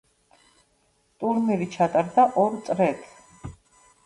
ტურნირი ჩატარდა ორ წრედ.